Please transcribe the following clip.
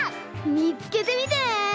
みつけてみてね！